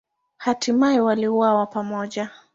Hatimaye waliuawa pamoja.